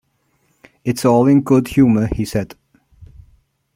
"It's all in good humor", he said.